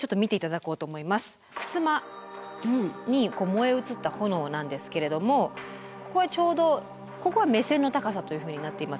ふすまに燃え移った炎なんですけれどもここはちょうどここは目線の高さというふうになっています。